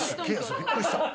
びっくりした！